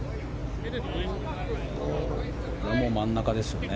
これも真ん中ですね。